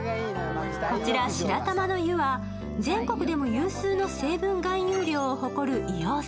こちら白玉の湯は全国でも有数の成分含有量を含む硫黄泉。